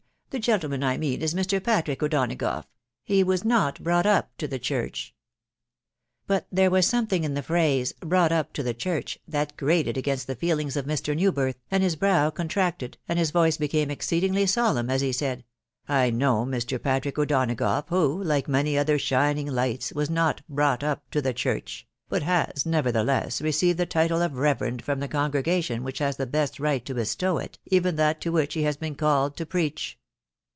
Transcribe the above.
the gentleman I mean is Mr. Patrick O'Donagough ; he 'was not brought up to the church." But there was something in the phrase, " brought up to the church," that grated against the feelings of Mr. Newbirth, and his brow contracted, and bis voice became exceedingly solemn, as he said, " I know Mr. Patrick O'Donagough, who, like many other shining lights, was not brought up to the church, but has, nevertheless, received the title of reverend from the congregation which has the best right to bestow it, even that to which he has been called to preacn."